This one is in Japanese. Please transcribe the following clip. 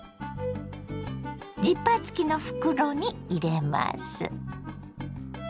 ジッパー付きの袋に入れます。